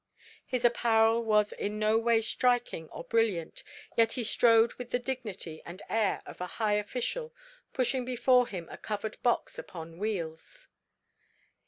His apparel was in no way striking or brilliant, yet he strode with the dignity and air of a high official, pushing before him a covered box upon wheels.